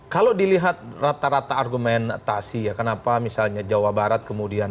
kalau dilihat rata rata argumentasi ya kenapa misalnya jawa barat kemudian